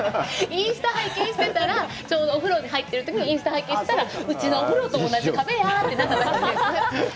インスタを拝見していたら、ちょうどお風呂に入っているときにインスタ拝見したら、うちのお風呂と同じ壁やって。